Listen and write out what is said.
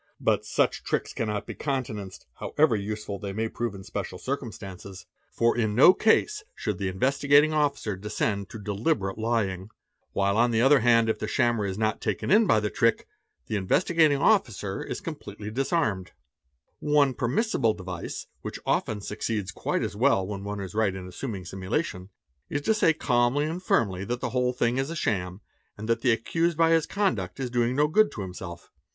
But such tricks cannot be coun CA Oi OAT EOE: ROTA IIT IE AMA A RO LENS RE IED aN aced, however useful they may prove in special circumstances; for 316 PRACTICES OF CRIMINALS in no case should the Investigating Officer descend to deliberate lying; — while on the other hand, if the shammer is not taken in by the trick, the — Investigating Officer is completely disarmed. J _ One permissible device, which often succeeds quite as well when one is right in assuming simulation, is to say calmly and firmly that — the whole thing is a sham and that the accused by his conduct is doing no good to himself.